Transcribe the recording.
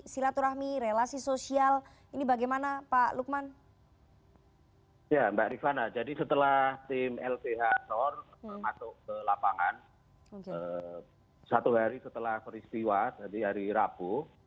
satu hari setelah peristiwa jadi hari rabu